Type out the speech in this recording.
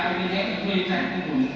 ông ấy sẽ thuê trại cuối cùng